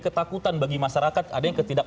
ketakutan bagi masyarakat ada yang ketidak